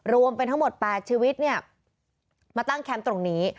รวมเป็นทั้งหมด๘ชีวิตเนี่ยมาตั้งแคมป์ตรงนี้